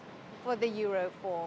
untuk truk euro empat